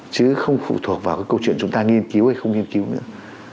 chứ không phụ thuộc vào cái câu chuyện chúng ta nghiên cứu hay không nghiên cứu nữa